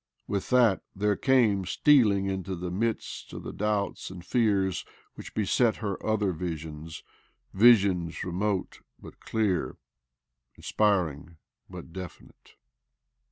With that there came stealing OBLOMOV 265 into the midst of the doubts and fears which beset her other visions — visions remote but clear, inspiring but definite.